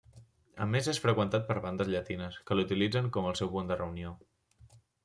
A més és freqüentat per bandes llatines, que l'utilitzen com el seu punt de reunió.